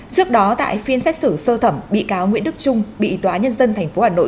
trước đó tại phiên xét xử sơ thẩm bị cáo nguyễn đức trung bị tòa nhân dân tp hà nội